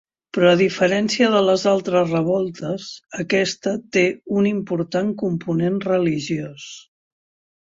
Però a diferència de les altres revoltes aquesta té un important component religiós.